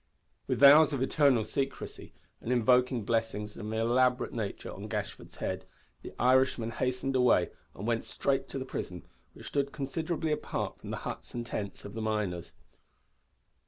With vows of eternal secrecy, and invoking blessings of an elaborate nature on Gashford's head, the Irishman hastened away, and went straight to the prison, which stood considerably apart from the huts and tents of the miners.